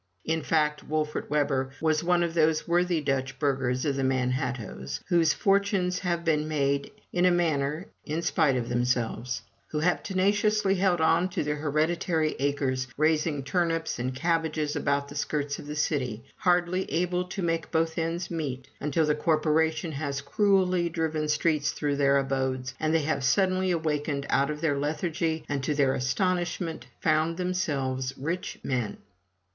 In fact Wolfert Webber was one of those worthy Dutch burghers of the Man hattoes whose fortunes have been made, in a manner, in spite of themselves; who have tenaciously held on to their hereditary acres, raising turnips and cabbages about the skirts of the city, hardly able to make both ends meet, until the corporation has cruelly driven streets through their abodes, and they have suddenly awakened out of their lethargy, and, to their astonishment, found themselves rich men.